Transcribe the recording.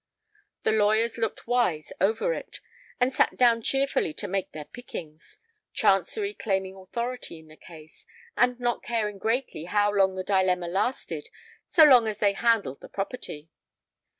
The lawyers looked wise over it, and sat down cheerfully to make their pickings, Chancery claiming authority in the case, and not caring greatly how long the dilemma lasted so long as they handled the property.